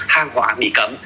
hàng hóa bị cấm